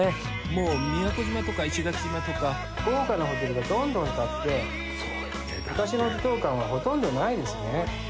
もう宮古島とか石垣島とか豪華なホテルがどんどん建って昔の離島感はほとんどないですね